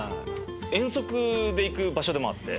遠足で行く場所でもあって。